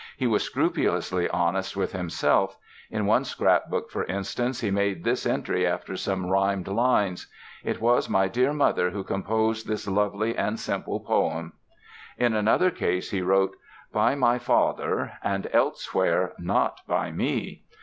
He was scrupulously honest with himself; in one scrapbook, for instance, he made this entry after some rhymed lines: "It was my dear mother who composed this lovely and simple poem". In another case he wrote: "By my father", and elsewhere: "Not by me".